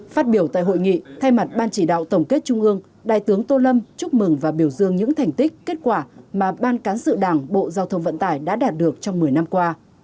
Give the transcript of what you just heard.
phát biểu tại hội nghị thay mặt ban chỉ đạo tổng kết trung ương đại tướng tô lâm chúc mừng và biểu dương những thành tích kết quả mà ban cán sự đảng bộ giao thông vận tải đã đạt được trong một mươi năm qua